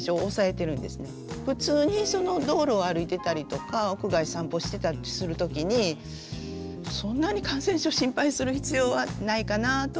普通に道路を歩いてたりとか屋外散歩してたりする時にそんなに感染症心配する必要はないかなぁとは思いますね。